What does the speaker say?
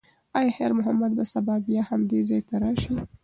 ایا خیر محمد به سبا بیا همدې ځای ته راشي؟